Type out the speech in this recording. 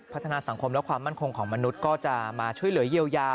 พัฒนาสังคมและความมั่นคงของมนุษย์ก็จะมาช่วยเหลือเยียวยา